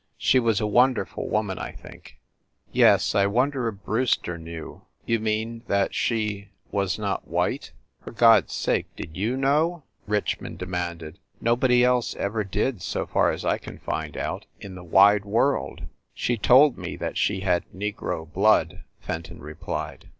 "She was a wonder ful woman, I think." "Yes. I wonder if Brewster knew." "You mean that she was not white?" "For God s sake, did you know?" Richmond de A HARLEM LODGING HOUSE 305 manded. "Nobody else ever did, so far as I can find out, in the wide world!" "She told me that she had negro blood," Fenton replied.